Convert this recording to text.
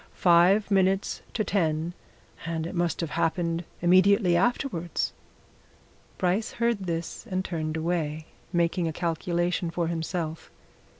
Five minutes to ten and it must have happened immediately afterwards." Bryce heard this and turned away, making a calculation for himself.